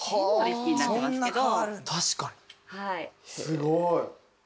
すごい。